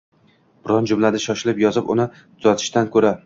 Biron jumlani shoshilib yozib, uni tuzatishdan ko‘ra